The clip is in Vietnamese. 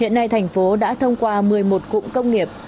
hiện nay thành phố đã thông qua một mươi một cụm công nghiệp